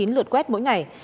lượt quét mỗi ngày